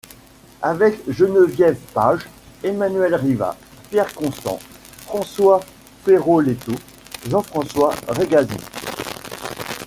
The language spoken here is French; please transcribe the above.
Avec Geneviève Page, Emmanuelle Riva, Pierre Constant, François Feroleto, Jean-François Regazzi.